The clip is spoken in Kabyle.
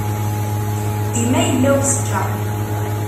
Dima yella uzekka.